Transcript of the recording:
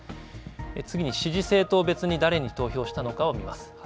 次に支持政党別に誰に投票したのかを見ます。